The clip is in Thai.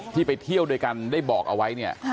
ที่ไปเที่ยวด้วยกันได้บอกเอาไว้เนี่ย